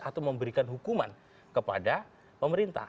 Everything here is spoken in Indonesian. atau memberikan hukuman kepada pemerintah